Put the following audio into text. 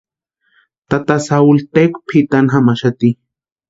Tata Sauli tékwa pʼitani jamaxati.